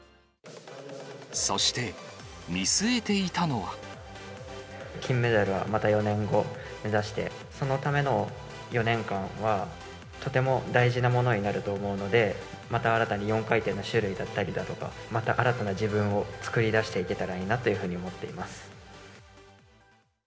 そして、金メダルはまた４年後目指して、そのための４年間は、とても大事なものになると思うので、また新たに４回転の種類だったりだとか、また新たな自分を作り出していけたらいいなと思っています。